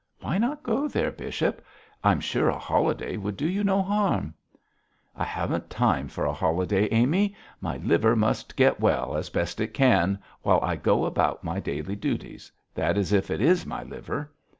Why not go there, bishop? I'm sure a holiday would do you no harm.' 'I haven't time for a holiday, Amy. My liver must get well as best it can while I go about my daily duties that is if it is my liver.'